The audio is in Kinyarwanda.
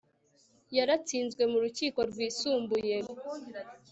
yaratsinzwe mu rukiko rwisumbuye